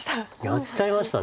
やっちゃいましたこれ。